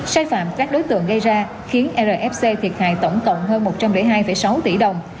sai phạm các đối tượng gây ra khiến rfc thiệt hại tổng cộng hơn một trăm linh hai sáu tỷ đồng